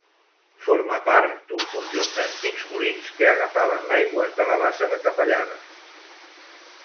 Forma part d'un conjunt d'antics molins que agafaven l'aigua de la bassa de Capellades.